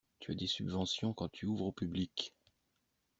Tu as des subventions quand tu ouvres au public.